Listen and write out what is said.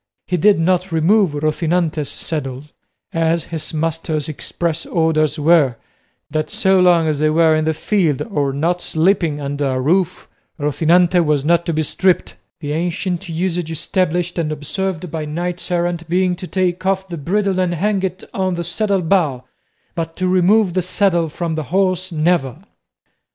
He did not remove Rocinante's saddle, as his master's express orders were, that so long as they were in the field or not sleeping under a roof Rocinante was not to be stripped the ancient usage established and observed by knights errant being to take off the bridle and hang it on the saddle bow, but to remove the saddle from the horse never!